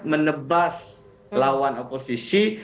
menebas lawan oposisi